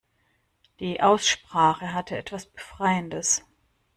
Die Aussprache hatte etwas Befreiendes.